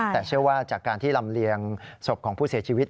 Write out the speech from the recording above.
แต่เชื่อว่าจากการที่ลำเลียงศพของผู้เสียชีวิต